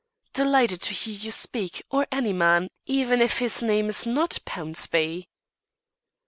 "Delighted to hear you speak, or any man, even if his name's not Pownceby."